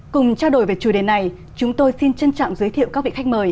cùng trao đổi về chủ đề này chúng tôi xin trân trọng giới thiệu các vị khách mời